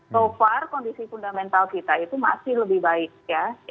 so far kondisi fundamental kita itu masih lebih baik ya